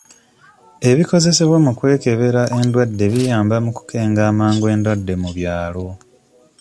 Ebikozesebwa mu kwekebera enddwadde biyamba mu kukenga amangu enddwadde mu byalo.